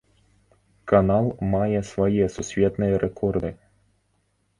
Канал мае свае сусветныя рэкорды.